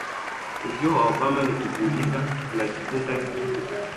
ujio wa Obama ni kujiuliza Tunajifunza nini